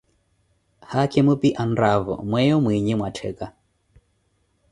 Haakhimo phi anraavo myeeyo mwiiyi mwa ttekka